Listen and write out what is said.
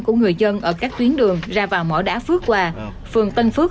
của người dân ở các tuyến đường ra vào mỏ đá phước hòa phường tân phước